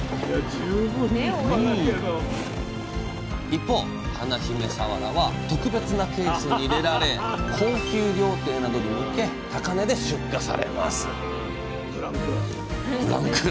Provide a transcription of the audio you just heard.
一方華姫さわらは特別なケースに入れられ高級料亭などに向け高値で出荷されます